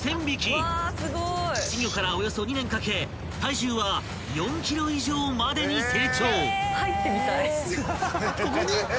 ［稚魚からおよそ２年かけ体重は４ｋｇ以上までに成長］